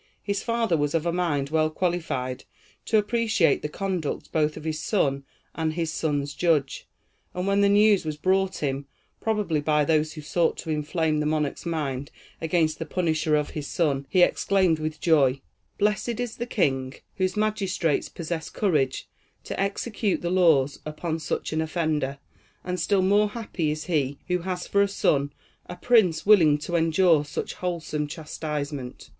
His father was of a mind well qualified to appreciate the conduct both of his son and of his son's judge, and when the news was brought him probably by those who sought to inflame the monarch's mind against the punisher of his son he exclaimed, with joy: "Blessed is the king whose magistrates possess courage to execute the laws upon such an offender; and still more happy is he who has for a son a prince willing to endure such wholesome chastisement."